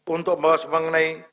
untuk membahas mengenai